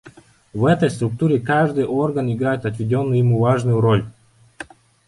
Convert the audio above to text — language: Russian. В этой структуре каждый орган играет отведенную ему важную роль.